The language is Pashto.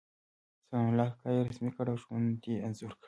ثناء الله کاکا يې رسم کړی او ژوند یې انځور کړی.